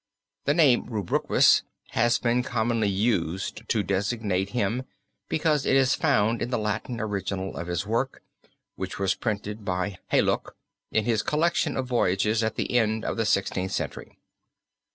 The name Rubruquis has been commonly used to designate him because it is found in the Latin original of his work, which was printed by Hayluyt in his collection of Voyages at the end of the Sixteenth Century.